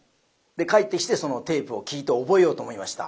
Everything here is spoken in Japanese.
帰ってきてそのテープを聞いて覚えようと思いました。